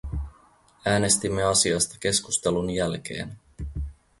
Äänestimme asiasta keskustelun jälkeen.